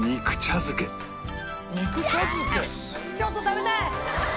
ちょっと食べたい！